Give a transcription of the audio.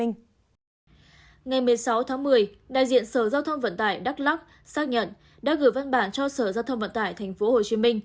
ngày một mươi sáu tháng một mươi đại diện sở giao thông vận tải đắk lắk xác nhận đã gửi văn bản cho sở giao thông vận tải tp hcm